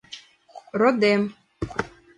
— Родем.